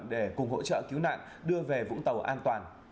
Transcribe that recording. để cùng hỗ trợ cứu nạn đưa về vũng tàu an toàn